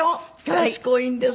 賢いです。